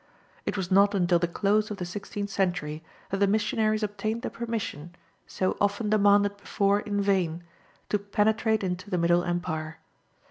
It was not until the close of the sixteenth century that the missionaries obtained the permission, so often demanded before in vain, to penetrate into the Middle Empire.